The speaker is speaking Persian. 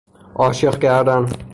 عاشق کردن